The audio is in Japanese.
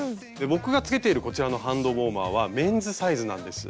僕がつけているこちらのハンドウォーマーはメンズサイズなんです。